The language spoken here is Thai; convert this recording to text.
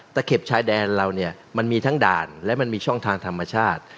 เข็บชายแดนเราเนี่ยมันมีทั้งด่านและมันมีช่องทางธรรมชาติ